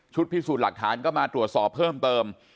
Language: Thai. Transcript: พิสูจน์หลักฐานก็มาตรวจสอบเพิ่มเติม